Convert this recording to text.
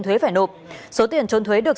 thuế phải nộp số tiền trốn thuế được